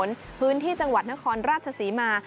มะพร้าวริมถนนพื้นที่จังหวัดนครราชศรีมา